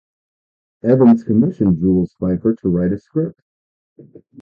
Evans commissioned Jules Feiffer to write a script.